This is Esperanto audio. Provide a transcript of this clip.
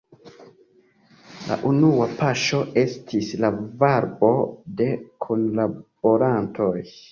La unua paŝo estis la varbo de kunlaborantoj.